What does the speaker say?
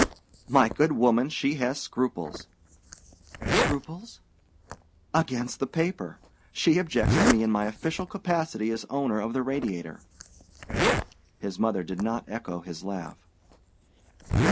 "My good woman, she has scruples." "Scruples?" "Against the paper. She objects to me in my official capacity as owner of the Radiator." His mother did not echo his laugh.